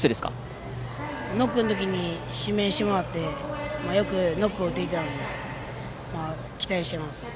ノックの時に指名してもらってよくノックを打っていたので期待してます。